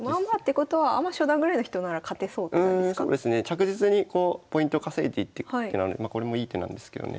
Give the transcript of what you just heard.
着実にポイントを稼いでいってく手なのでこれもいい手なんですけどね。